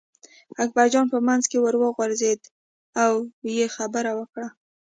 اکبرجان په منځ کې ور وغورځېد او یې خبره وکړه.